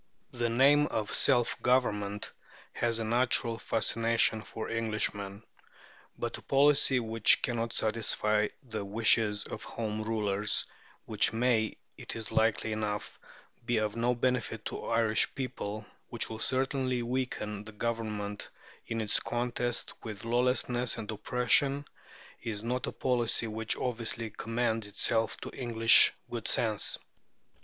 "The name of 'Self government' has a natural fascination for Englishmen; but a policy which cannot satisfy the wishes of Home Rulers, which may it is likely enough be of no benefit to the Irish people, which will certainly weaken the Government in its contest with lawlessness and oppression, is not a policy which obviously commends itself to English good sense."